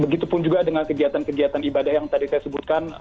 begitupun juga dengan kegiatan kegiatan ibadah yang tadi saya sebutkan